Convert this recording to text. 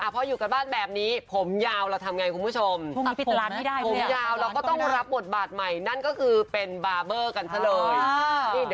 พออยู่กันบ้านแบบนี้ผมยาวเราทำอย่างไรคุณผู้ชม